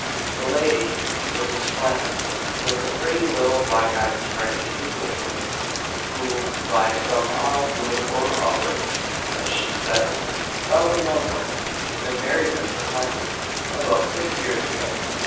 The lady, Mrs. Flament, was a pretty, little, black eyed, sprightly Englishwoman; who, "by some odd whim or other," as she said, fell in love with, and married Mr. Flament, about six years ago.